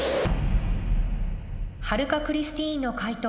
春香クリスティーンの解答